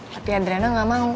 tapi adriana gak mau